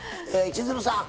千鶴さん